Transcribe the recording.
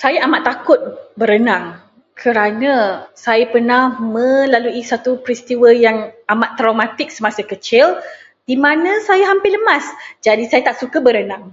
Saya amat takut berenang kerana saya pernah melalui satu peristiwa yang amat traumatik semasa kecil, di mana saya hampir lemas. Jadi saya tak suka berenang.